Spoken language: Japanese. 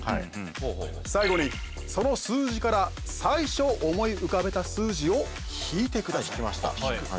最後にその数字から最初思い浮かべた数字を引いてください。